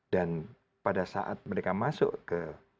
dan pada saat mereka masuk ke